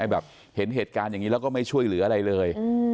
แบบเห็นเหตุการณ์อย่างนี้แล้วก็ไม่ช่วยเหลืออะไรเลย